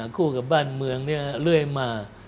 คู่กับบ้านเมืองเรื่อยมา